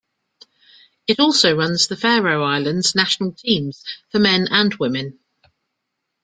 It also runs the Faroe Islands national teams for men and women.